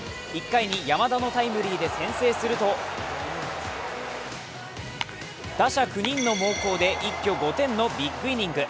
１回に山田のタイムリーで先制すると打者９人の猛攻で一挙５点のビッグイニング。